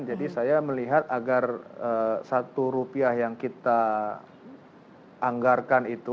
jadi saya melihat agar satu rupiah yang kita anggarkan itu